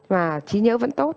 và trí nhớ vẫn tốt